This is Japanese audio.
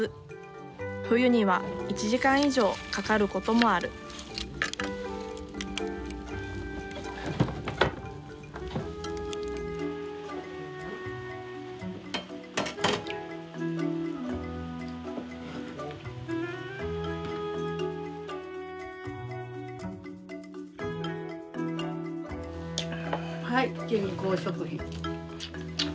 冬には１時間以上かかることもあるはい健康食品。